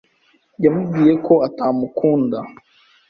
Yamubwiye ko atamukunda